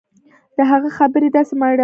د هغه خبرې داسې مړاوى کړم.